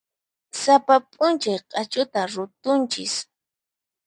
Sapa p'unchay q'achuta rutunchis.